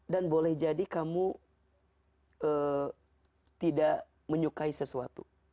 dan boleh jadi kamu tidak menyukai sesuatu